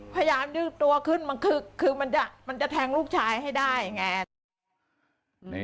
พยายามดื้อตัวขึ้นมันคือมันจะแทงลูกชายให้ได้ไง